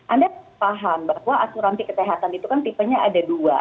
anda paham bahwa asuransi kesehatan itu kan tipenya ada dua